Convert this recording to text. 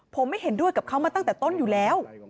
ผมไม่เห็นด้วยกับเขามาตั้งแต่ต้นอยู่แล้ว